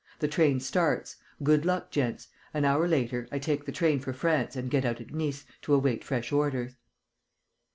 The train starts. Good luck, gents! An hour later, I take the train for France and get out at Nice, to await fresh orders."